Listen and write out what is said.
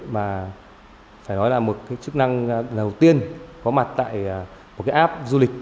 mà phải nói là một cái chức năng đầu tiên có mặt tại một cái app du lịch